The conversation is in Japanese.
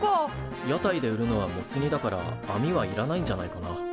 屋台で売るのはモツ煮だからあみはいらないんじゃないかな。